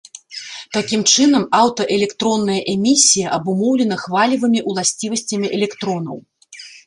Такім чынам, аўтаэлектронная эмісія абумоўлена хвалевымі ўласцівасцямі электронаў.